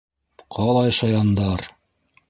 Ҡалай шаяндар!